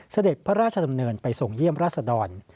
เสด็จพระราชดำเนินไปทรงเยี่ยมราชดร